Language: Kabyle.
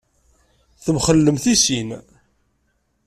Temxellem i sin?